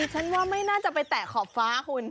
ฉันว่าไม่น่าจะไปแตะขอบฟ้าคุณ